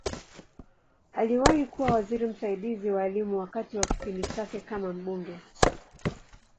Aliwahi kuwa waziri msaidizi wa Elimu wakati wa kipindi chake kama mbunge.